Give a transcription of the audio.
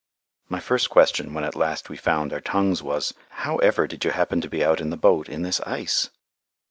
My first question, when at last we found our tongues, was, "How ever did you happen to be out in the boat in this ice?"